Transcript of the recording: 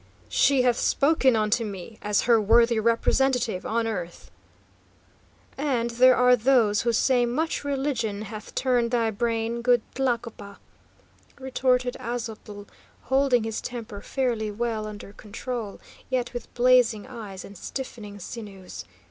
"She hath spoken unto me, as her worthy representative on earth." "And there are those who say much religion hath turned thy brain, good Tlacopa," retorted Aztotl, holding his temper fairly well under control, yet with blazing eyes and stiffening sinews.